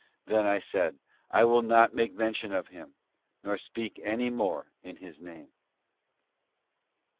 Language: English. Then I said: T will not make mention of Him, nor speak any more in His name.